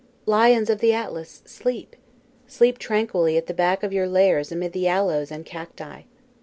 LIONS of the Atlas, sleep! sleep tranquilly at the back of your lairs amid the aloes and cacti.